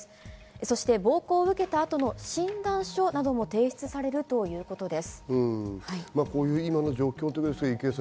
そして暴行を受けた後の診断書なども提出されるということです。